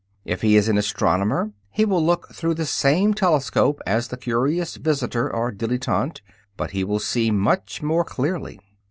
If he is an astronomer, he will look through the same telescope as the curious visitor or dilettante, but he will see much more clearly.